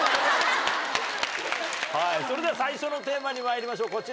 それでは最初のテーマにまいりましょう！